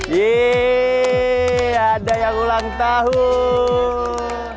yeay ada yang ulang tahun